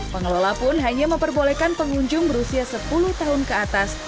pengelola pun hanya memperbolehkan pengunjung berusia sepuluh tahun ke atas